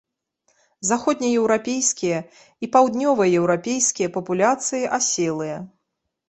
Заходнееўрапейскія і паўднёваеўрапейскія папуляцыі аселыя.